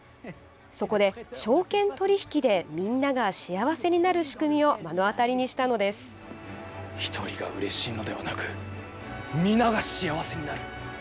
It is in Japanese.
そこで、証券取引でみんなが幸せになる仕組みを１人がうれしいのではなく皆が幸せになる。